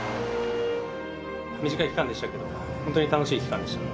短い期間でしたけど、本当に楽しい期間でした。